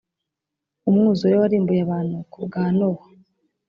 Umwuzure warimbuye abantu kubwa nowa